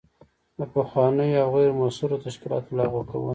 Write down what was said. د پخوانیو او غیر مؤثرو تشکیلاتو لغوه کول.